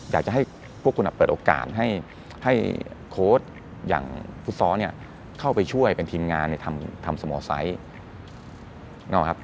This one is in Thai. อยากจะให้พวกคุณเปิดโอกาสให้โค้ชอย่างฟุตซอลเข้าไปช่วยเป็นทีมงานทำสมอร์ไซส์ครับ